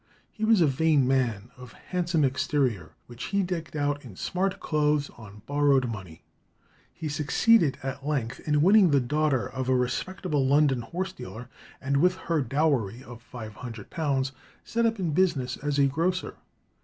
He was a vain man, of handsome exterior, which he decked out in smart clothes on borrowed money. He succeeded at length in winning the daughter of a respectable London horse dealer, and with her dowry of £500 set up in business as a grocer.